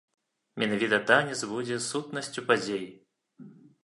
Менавіта танец будзе сутнасцю падзей.